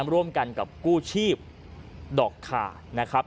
ร่วมกันกับกู้ชีพดอกขานะครับ